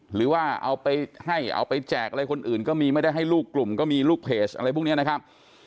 หรือว่าเอาไปให้เอาไปแจกอะไรคนอื่นก็มีไม่ได้ให้ลูกกลุ่มก็มีลูกเพจอะไรพวกนี้นะครับ